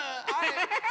ハハハハハ！